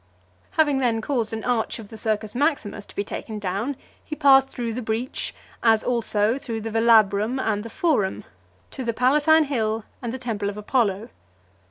Having then caused an arch of the Circus Maximus to be taken down, he passed through the breach, as also through the Velabrum and the forum, to the Palatine hill and the temple of Apollo.